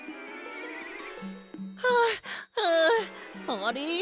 はあはああれ？